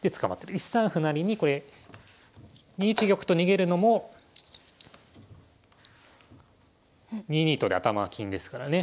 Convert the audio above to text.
１三歩成にこれ２一玉と逃げるのも２二と金で頭金ですからね